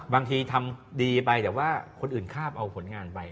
บางทีทำดีไปแต่ว่าคนอื่นคาบเอาผลงานไป